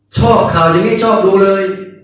ชอบข่าวอย่างนี้ชอบดูเลย